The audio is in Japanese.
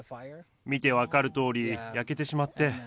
見て分かるとおり、焼けてしまって。